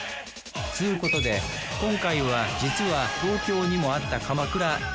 つうことで今回は実は東京にもあった鎌倉。